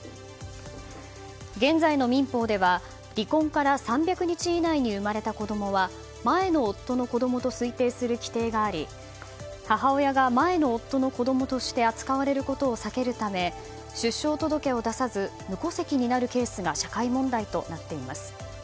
現在の民法では離婚から３００日以内に生まれた子供は前の夫の子供と推定する規定があり母親が前の夫の子供として扱われることを避けるため出生届を出さず無戸籍になるケースが社会問題となっています。